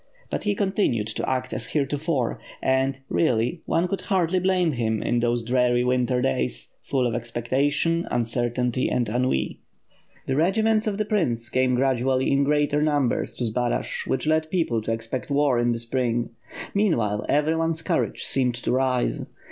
But he continued to act as here tofore and, really, one could hardly blame him, in those dreary winter days; full of expectation, uncertainty, and ennui. The regiments of the prince came gradually in greater numbers to Zbaraj, which led people to expect war in the spring. Meanwhile, everyone's courage seemed to rise.